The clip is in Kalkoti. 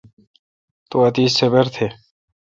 تو اتیش صبر تہ۔